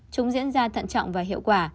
trúng diễn ra thận trọng và hiệu quả